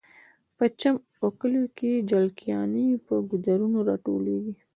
په چم او کلیو کې جلکیانې په ګودرونو راټولیږي